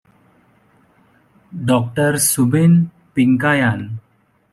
Doctor Subin Pinkayan.